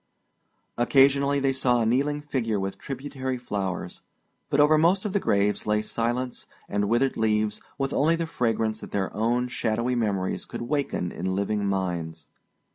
Occasionally they saw a kneeling figure with tributary flowers, but over most of the graves lay silence and withered leaves with only the fragrance that their own shadowy memories could waken in living minds.